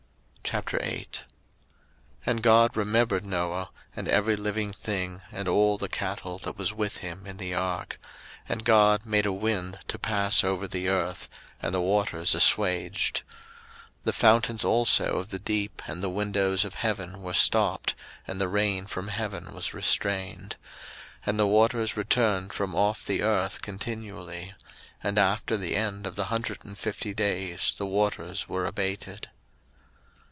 01:008:001 And God remembered Noah, and every living thing, and all the cattle that was with him in the ark: and God made a wind to pass over the earth, and the waters asswaged; 01:008:002 The fountains also of the deep and the windows of heaven were stopped, and the rain from heaven was restrained; 01:008:003 And the waters returned from off the earth continually: and after the end of the hundred and fifty days the waters were abated.